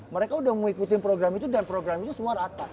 mereka udah mau ikutin program itu dan program itu semua rata